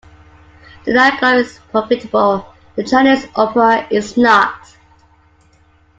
The nightclub is profitable; the Chinese opera is not.